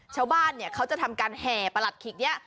ชาวบ้านเขาจะทำการแห่ประหลัดขิกนี้